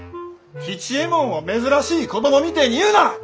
吉右衛門を珍しい子供みてえに言うな！